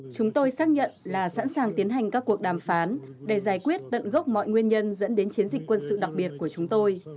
chúng tôi xác nhận là sẵn sàng tiến hành các cuộc đàm phán để giải quyết tận gốc mọi nguyên nhân dẫn đến chiến dịch quân sự đặc biệt của chúng tôi